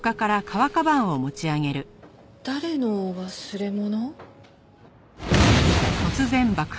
誰の忘れ物？